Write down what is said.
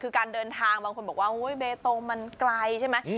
คือการเดินทางบางคนบอกว่าเบตงมันไกลใช่ไหม